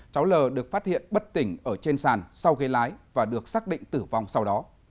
cháu l được phát hiện bất tỉnh ở trên sàn sau gây lái và được xác định tử vong sau đó